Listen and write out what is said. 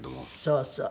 そうそう。